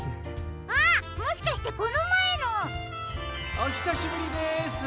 おひさしぶりです。